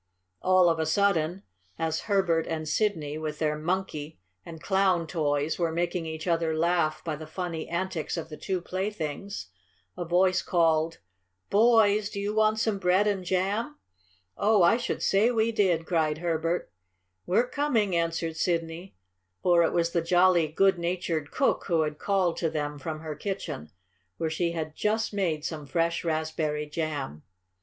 All of a sudden, as Herbert and Sidney, with their Monkey and Clown toys, were making each other laugh by the funny antics of the two playthings, a voice called: "Boys, do you want some bread and jam?" "Oh, I should say we did!" cried Herbert. "We're coming," answered Sidney, for it was the jolly, good natured cook who had called to them from her kitchen where she had just made some fresh raspberry jam.